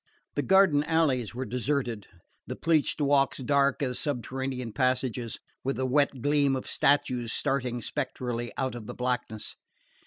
The garden alleys were deserted, the pleached walks dark as subterranean passages, with the wet gleam of statues starting spectrally out of the blackness.